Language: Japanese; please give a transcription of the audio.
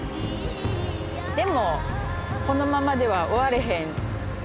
でもこのままでは終われへん。